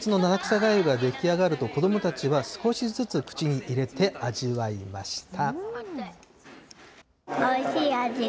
がゆが出来上がると、子どもたちは少しずつ口に入れて味わいました。